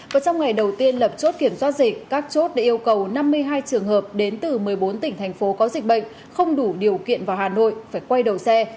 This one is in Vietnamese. và trong ngày đầu tiên lập chốt kiểm soát dịch các chốt đã yêu cầu năm mươi hai trường hợp đến từ một mươi bốn tỉnh thành phố có dịch bệnh không đủ điều kiện vào hà nội phải quay đầu xe